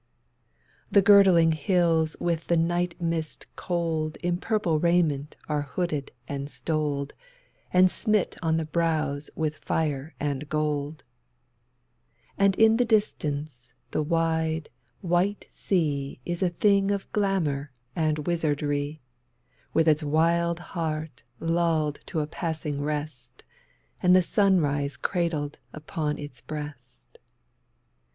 The girdling hills with the night mist cold In purple raiment are hooded and stoled And smit on the brows with fire and gold; And in the distance the wide, white sea Is a thing of glamor and wizardry, With its wild heart lulled to a passing rest, And the sunrise cradled upon its breast.